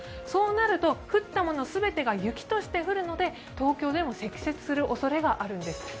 そうなると降ったもの全てが雪として降るので東京でも積雪するおそれがあるんです。